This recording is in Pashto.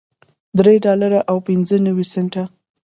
درې ډالره او پنځه نوي سنټه